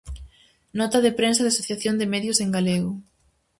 Nota de prensa da Asociación de Medios en Galego.